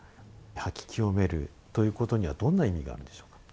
掃き清めるということにはどんな意味があるんでしょうか？